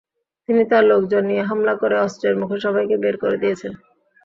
তিনি তাঁর লোকজন নিয়ে হামলা করে অস্ত্রের মুখে সবাইকে বের করে দিয়েছেন।